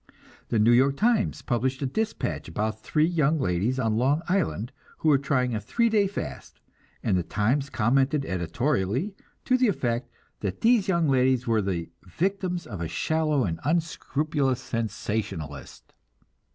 The New York Times published a dispatch about three young ladies on Long Island who were trying a three day fast, and the Times commented editorially to the effect that these young ladies were "the victims of a shallow and unscrupulous sensationalist."